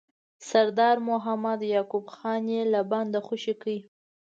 سردار محمد یعقوب خان یې له بنده خوشي کړ.